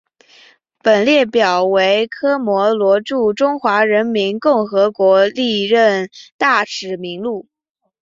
本列表为科摩罗驻中华人民共和国历任大使名录。